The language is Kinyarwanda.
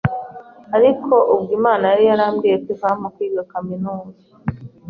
Ariko ubwo Imana yari yarambwiye ko izampa kwiga kaminuza,